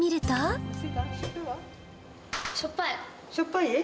しょっぱい！